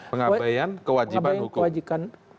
pengabaian kewajiban hukum